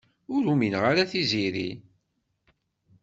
Ur umineɣ ara Tiziri.